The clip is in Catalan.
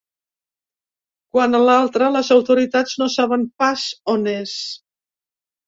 Quant a l’altre, les autoritats no saben pas on és.